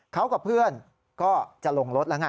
เขากับเพื่อนก็จะลงรถแล้วไง